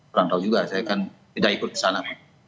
kurang tahu juga saya kan tidak ikut ke sana